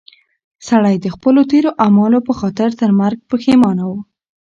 سړی د خپلو تېرو اعمالو په خاطر تر مرګ پښېمانه و.